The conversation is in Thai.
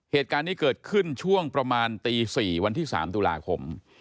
เหตุการณ์นี้เกิดขึ้นช่วงประมาณตี๔วันที่๓ตุลาคม